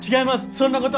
そんなことは。